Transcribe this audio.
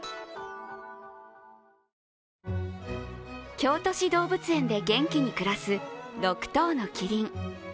京都市動物園で元気に暮らす６頭のキリン。